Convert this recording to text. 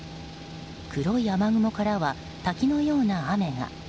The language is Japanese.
黒い雨雲からは滝のような雨が。